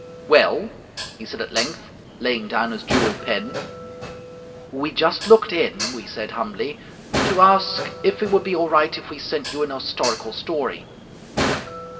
"Well?" he said at length, laying down his jewelled pen. "We just looked in," we said, humbly, "to ask if it would be all right if we sent you an historical story."